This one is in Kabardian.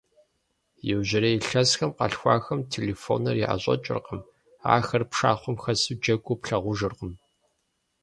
Иужьрей илъэсхэм къалъхуахэм телефоныр яӀэщӀэкӀыркъым, ахэр пшахъуэм хэсу джэгуу плъагъужыркъым.